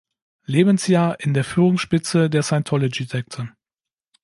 Lebensjahr in der Führungsspitze der Scientology-Sekte.